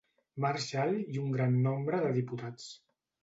Marshal i un gran nombre de diputats.